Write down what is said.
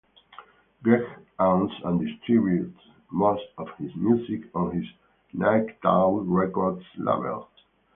Gregg owns and distributes most of his music on his Nightowl Records Label.